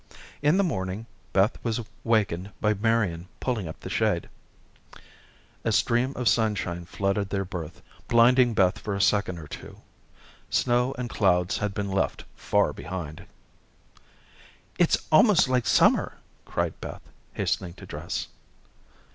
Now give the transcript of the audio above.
In the morning, Beth was wakened by Marian pulling up the shade. A stream of sunshine flooded their berth, blinding Beth for a second or two. Snow and clouds had been left far behind. "It's almost like summer," cried Beth, hastening to dress.